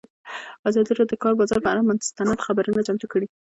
ازادي راډیو د د کار بازار پر اړه مستند خپرونه چمتو کړې.